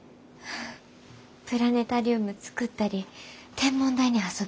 プラネタリウム作ったり天文台に遊びに行ったり。